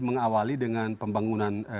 mengawali dengan pembangunan